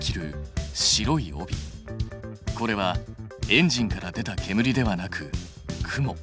これはエンジンから出たけむりではなく雲。